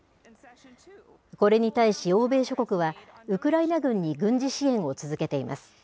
これに対し欧米諸国は、ウクライナ軍に軍事支援を続けています。